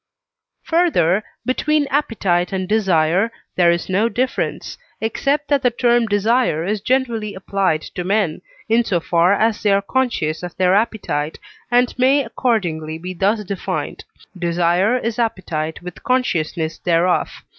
Further, between appetite and desire there is no difference, except that the term desire is generally applied to men, in so far as they are conscious of their appetite, and may accordingly be thus defined: Desire is appetite with consciousness thereof.